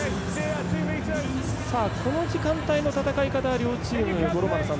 この時間帯の戦い方は両チーム、五郎丸さん